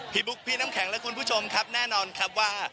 บุ๊คพี่น้ำแข็งและคุณผู้ชมครับแน่นอนครับว่า